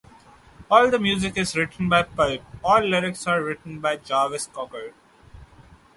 All the music is written by Pulp, all lyrics are written by Jarvis Cocker.